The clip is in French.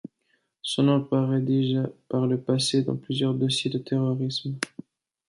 Son nom apparait déjà par le passé dans plusieurs dossiers de terrorisme.